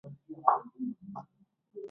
我超，京爷